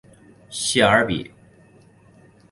谢尔比。